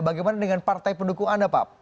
bagaimana dengan partai pendukung anda pak